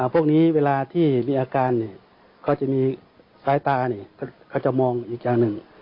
พวกนี้เวลาที่มีอาการเขาจะมีซ้ายตาเขาจะมองอีกอย่างหนึ่ง